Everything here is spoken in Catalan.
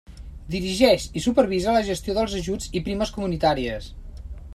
Dirigeix i supervisa la gestió dels ajuts i primes comunitàries.